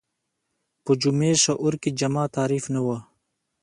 په جمعي شعور کې جامع تعریف نه و